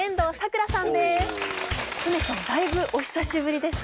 梅ちゃんだいぶお久しぶりですね。